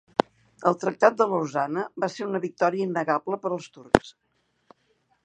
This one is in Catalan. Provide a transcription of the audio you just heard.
El Tractat de Lausana va ser una victòria innegable per als turcs.